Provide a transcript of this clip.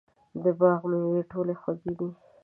د باغ مېوې ټولې خوږې دي.